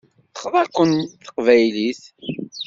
Texḍa-ken teqbaylit.